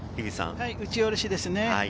打ち下ろしですね。